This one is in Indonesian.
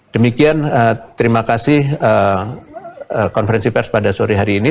demikian terima kasih konferensi pers pada sore hari ini